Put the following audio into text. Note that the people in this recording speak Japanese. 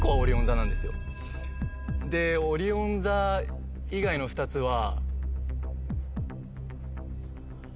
でオリオン座以外の２つは。